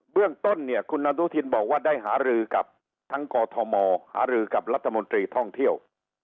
เรื่องต้นเนี่ยคุณอนุทินบอกว่าได้หารือกับทั้งกอทมหารือกับรัฐมนตรีท่องเที่ยว